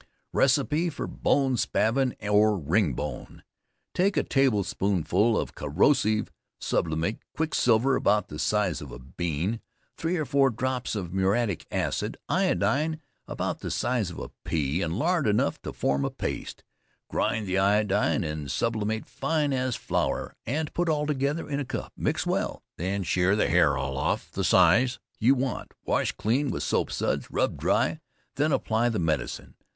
RECEIPT FOR BONE SPAVIN OR RING BONE. Take a table spoonful of corrosive sublimate; quicksilver about the size of a bean; 3 or 4 drops of muriatic acid; iodine about the size of a pea, and lard enough to form a paste; grind the iodine and sublimate fine as flour, and put altogether in a cup, mix well, then shear the hair all off the size you want; wash clean with soap suds, rub dry, then apply the medicine.